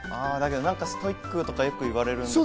ストイックとかよく言われます。